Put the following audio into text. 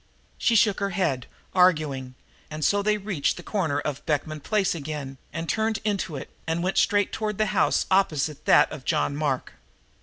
She shook her head, arguing, and so they reached the corner of Beekman Place again and turned into it and went straight toward the house opposite that of John Mark.